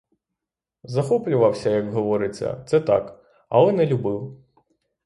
Захоплювався, як говориться, це так, але не любив.